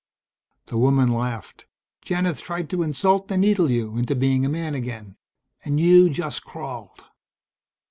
The woman laughed. "Janith tried to insult and needle you into being a man again. And you just crawled."